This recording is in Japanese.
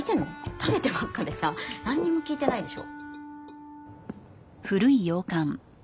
食べてばっかでさなんにも聞いてないでしょ？